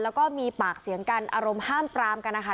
แล้วก็มีปากเสียงกันอารมณ์ห้ามปรามกันนะคะ